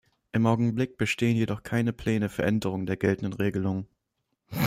Im Augenblick bestehen jedoch keine Pläne für Änderungen der geltenden Regelungen.